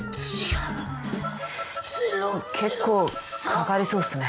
結構かかりそうですね。